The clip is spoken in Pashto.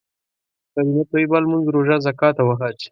کليمه طيبه، لمونځ، روژه، زکات او حج.